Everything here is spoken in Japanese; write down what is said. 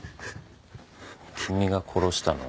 君が殺したの？